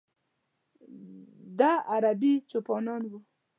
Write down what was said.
د ه عربي چوپانان و.